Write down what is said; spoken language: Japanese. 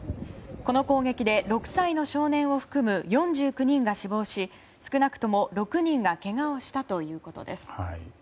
この攻撃で６歳の少年を含む４９人が死亡し少なくとも６人がけがをしたということです。